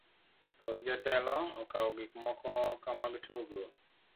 Thoth jotelo okawo gik moko ka mag tugo